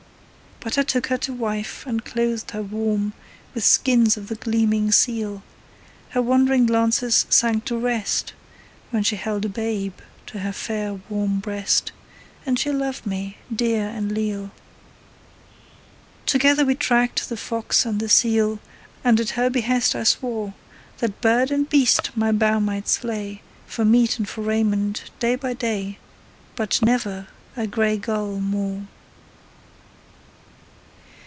But I took her to wife, and clothed her warm With skins of the gleaming seal; Her wandering glances sank to rest When she held a babe to her fair, warm breast, And she loved me dear and leal. Together we tracked the fox and the seal, And at her behest I swore That bird and beast my bow might slay For meat and for raiment, day by day, But never a grey gull more.